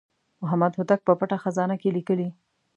محمد هوتک په پټه خزانه کې لیکلي.